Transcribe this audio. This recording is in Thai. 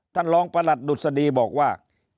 ท่านรองประหลัดดุษฎีบอกว่า